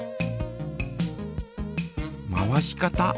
回し方。